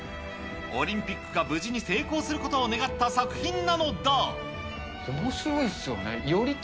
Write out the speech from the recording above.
オリンピックが無事に成功することを願った作品なのだ。